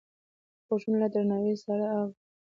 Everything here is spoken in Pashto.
غوږونه له درناوي سره اوري